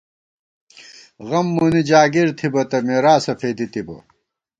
غم مونی جاگیر تھِبہ تہ مېراثہ فېدِی تِبہ